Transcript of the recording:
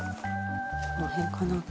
この辺かな？